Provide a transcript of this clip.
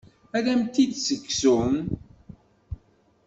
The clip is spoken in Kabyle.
Ad am-t-id-ssegzun.